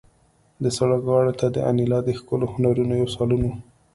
د سړک غاړې ته د انیلا د ښکلو هنرونو یو سالون و